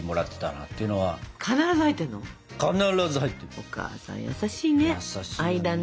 お母さん優しいね。